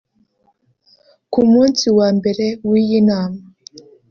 Ku munsi wa Mbere w’iyi nama